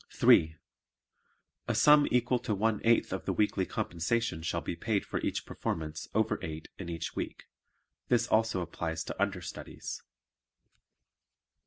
(3) A sum equal to one eighth of the weekly compensation shall be paid for each performance over eight in each week. (This also applies to understudies.)